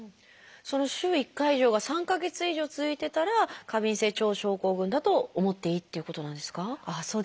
その週１回以上が３か月以上続いてたら過敏性腸症候群だと思っていいっていうことなんですか？